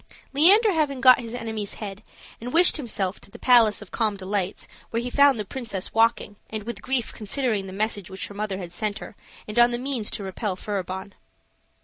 Leander having got his enemy's head, wished himself in the Palace of Calm Delights, where he found the princess walking, and with grief considering the message which her mother had sent her, and on the means to repel Furibon.